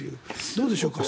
どうでしょうか？